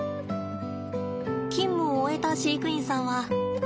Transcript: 勤務を終えた飼育員さんは。